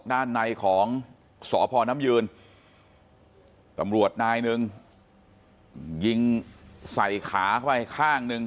ด้านในของสพน้ำยืนตำรวจนายหนึ่งยิงใส่ขาเข้าไปข้างหนึ่ง